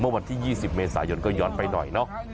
วันที่๒๐เมษายนก็ย้อนไปหน่อยเนาะ